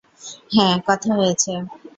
হ্যাঁ, কথা হয়েছে।